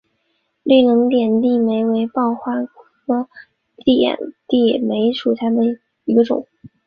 绿棱点地梅为报春花科点地梅属下的一个种。